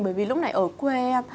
bởi vì lúc này ở quê em